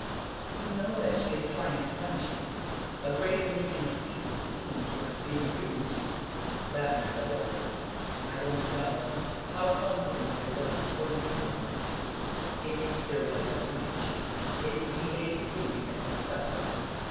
"You know that she is trying to punish me. A great many people seem to have been written to." "That will blow over." "I don't know. How confident I was at one time that, if there was a breach, it would be Lady Henry that would suffer!